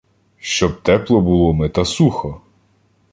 Щоб тепло було ми та сухо.